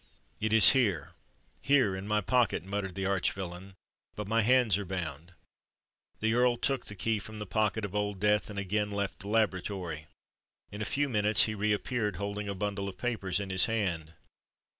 "It is here—here, in my pocket," muttered the arch villain. "But my hands are bound——" The Earl took the key from the pocket of Old Death and again left the laboratory. In a few minutes he re appeared, holding a bundle of papers in his hand.